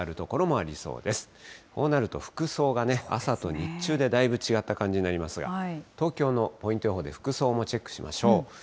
こうなると服装がね、朝と日中でだいぶ違った感じになりますが、東京のポイント予報で、服装もチェックしましょう。